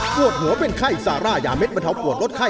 ปวดหัวเป็นไข้ซาร่ายาเด็ดบรรเทาปวดลดไข้